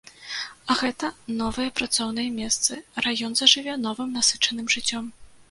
А гэта новыя працоўныя месцы, раён зажыве новым насычаным жыццём.